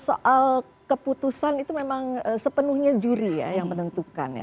soal keputusan itu memang sepenuhnya juri ya yang menentukan ya